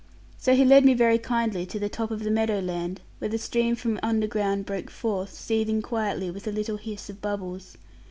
So he led me very kindly to the top of the meadow land, where the stream from underground broke forth, seething quietly with a little hiss of bubbles.